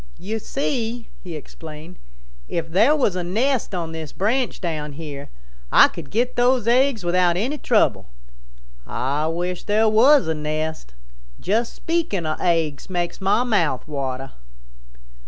"You see," he explained, "if there was a nest on this branch down here, Ah could get those eggs without any trouble. Ah wish there was a nest. Just speaking of eggs makes mah mouth water."